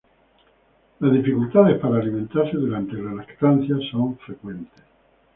Las dificultades para alimentarse durante la lactancia son frecuentes.